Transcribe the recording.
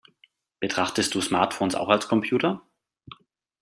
Betrachtest du Smartphones auch als Computer?